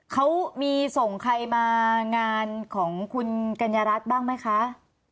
เขามีส่งใครมางานของคุณกัญญารัฐบ้างไหมคะ